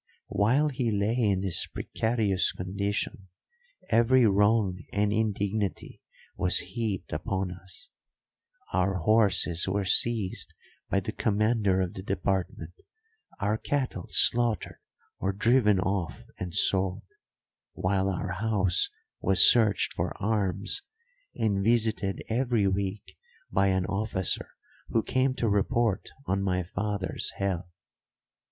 While he lay in this precarious condition every wrong and indignity was heaped upon us. Our horses were seized by the commander of the department, our cattle slaughtered or driven off and sold, while our house was searched for arms and visited every week by an officer who came to report on my father's health.